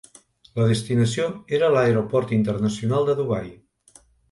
La destinació era l'Aeroport Internacional de Dubai.